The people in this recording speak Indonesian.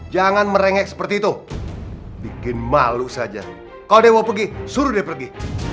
jangan merengek seperti itu bikin malu saja kalau dia mau pergi suruh dia pergi